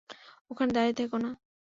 ওখানে দাঁড়িয়ে থেকো না!